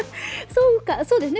そうかそうですね。